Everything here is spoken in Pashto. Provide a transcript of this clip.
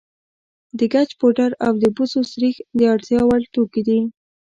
د ګچ پوډر او د بوسو سريښ د اړتیا وړ توکي دي.